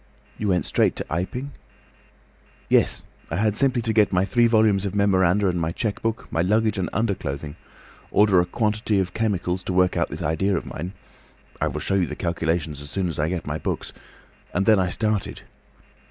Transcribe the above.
"You went straight to Iping?" "Yes. I had simply to get my three volumes of memoranda and my cheque book, my luggage and underclothing, order a quantity of chemicals to work out this idea of mine—I will show you the calculations as soon as I get my books—and then I started.